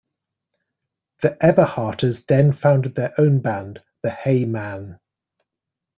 The Eberharters then founded their own band, the Hey Mann!